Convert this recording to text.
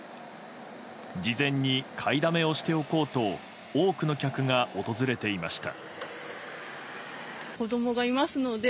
事前に買いだめをしておこうと多くの客が訪れていました。